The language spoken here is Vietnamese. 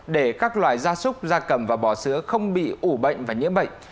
để các loài da súc da cầm và bò sữa không bị ủ bệnh và nhiễm bệnh